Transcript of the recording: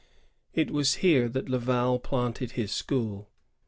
It was here that Laval planted his school.